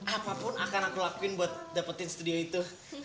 apapun akan aku lakuin buat dapetin studio itu